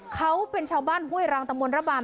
เขาเป็นชาวบ้านหุ้ยรังตมวลระบำ